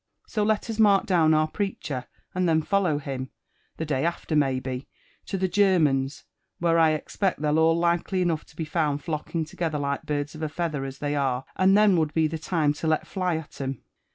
So let us mark down our preacher, and then follow him, the day after maybe, to the German's, where I expect they're all likely enough to bo found flocking together like birds of a feather as they are ; and then would be the time to let (ly at 'em.